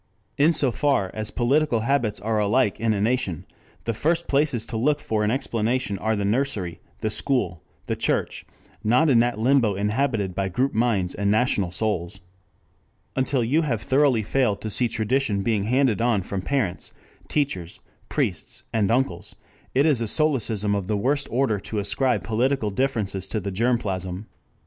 In so far as political habits are alike in a nation, the first places to look for an explanation are the nursery, the school, the church, not in that limbo inhabited by Group Minds and National Souls. Until you have thoroughly failed to see tradition being handed on from parents, teachers, priests, and uncles, it is a solecism of the worst order to ascribe political differences to the germ plasm.